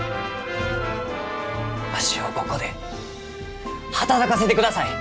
わしをここで働かせてください！